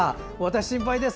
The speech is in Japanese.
心配です。